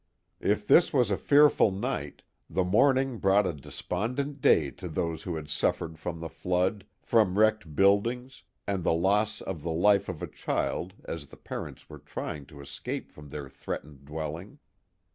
If this was a fear ful night, the morning brought a despondent day to those who had suffered from the flood, from wrecked buildings, and the loss of the life of a child as the parents were trj ing to escape from their threatened dwelling.